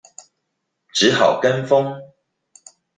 只好跟風